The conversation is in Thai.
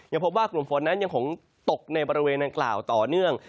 พบว่ากลุ่มฝนนั้นยังคงตกในบริเวณดังกล่าวต่อเนื่อง